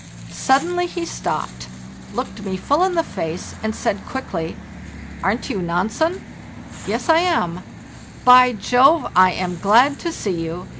Suddenly he stopped, looked me full in the face, and said, quickly: ve Arent you Nansen: we Ves lam. "« By Jove! I am glad to see you!